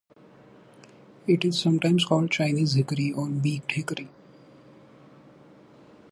It is sometimes called Chinese hickory or beaked hickory.